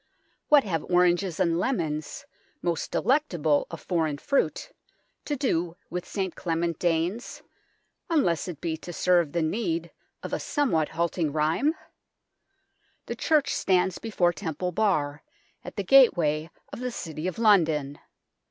What have oranges and lemons, most delectable of foreign fruit, to do with St Clement Danes, unless it be to serve the need of a somewhat halting rhyme ? The church stands before Temple Bar, at the gateway of the City of London.